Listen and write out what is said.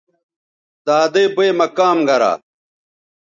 دادئ بئ مہ کام گرا